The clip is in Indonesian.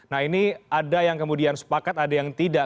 nah ini ada yang kemudian sepakat ada yang tidak